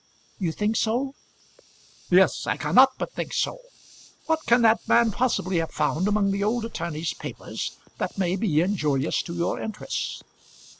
"You think so?" "Yes; I cannot but think so. What can that man possibly have found among the old attorney's papers that may be injurious to your interests?"